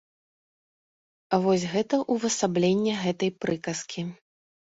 Вось гэта ўвасабленне гэтай прыказкі.